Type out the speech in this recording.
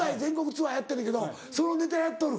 ツアーやってんのやけどそのネタやっとる。